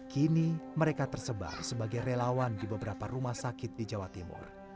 kini mereka tersebar sebagai relawan di beberapa rumah sakit di jawa timur